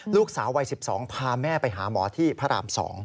ลูกสาววัย๑๒พาแม่ไปหาหมอที่พระราม๒